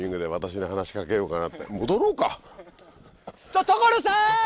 ちょっと所さん！